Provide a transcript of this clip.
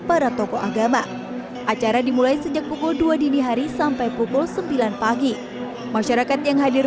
para tokoh agama acara dimulai sejak pukul dua dini hari sampai pukul sembilan pagi masyarakat yang hadir